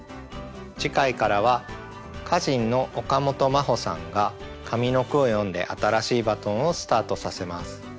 次回からは歌人の岡本真帆さんが上の句を詠んで新しいバトンをスタートさせます。